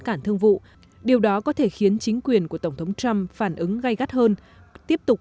cản thương vụ điều đó có thể khiến chính quyền của tổng thống trump phản ứng gây gắt hơn tiếp tục